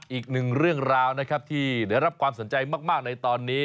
อีกหนึ่งเรื่องราวนะครับที่ได้รับความสนใจมากในตอนนี้